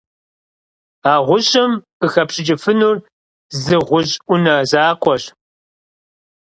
А гъущӀым къыхэпщӀыкӀыфынур зы гъущӀ Ӏунэ закъуэщ.